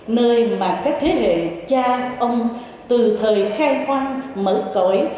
nơi mà các thế hệ cha ông từ thời khai khoan mở cổi